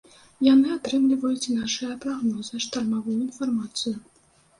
Яны атрымліваюць нашыя прагнозы, штармавую інфармацыю.